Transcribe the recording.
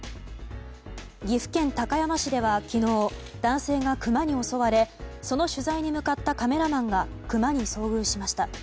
岐阜県高山市では昨日男性がクマに襲われその取材に向かったカメラマンがクマに遭遇しました。